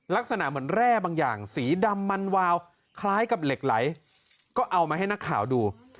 ลักษณะเหมือนแร่บางอย่างสีดำมันวาวคล้ายกับเหล็กไหลก็เอามาให้นักข่าวดู